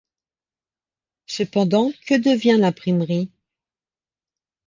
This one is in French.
Cependant, que devient l’imprimerie ?